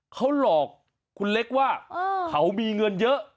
เขาหลอกคุณเล็กว่าเขามีเงินเยอะ